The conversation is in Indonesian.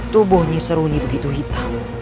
tubuhnya seruni begitu hitam